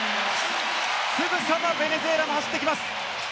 すぐさまベネズエラも走ってきます。